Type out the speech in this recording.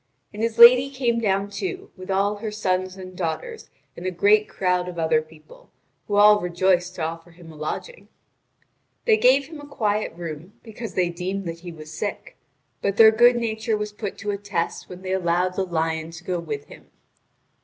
And his lady came down, too, with all her sons and daughters and a great crowd of other people, who all rejoiced to offer him a lodging. They gave him a quiet room, because they deemed that he was sick; but their good nature was put to a test when they allowed the lion to go with him.